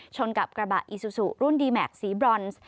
ชนกับกระบะอีซูซูรุ่นดีแม็กซสีบรอนซ์